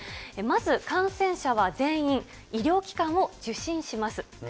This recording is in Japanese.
まず、感染者は全員、医療機関を受診します。